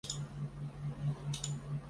该物种的模式产地在印度洋。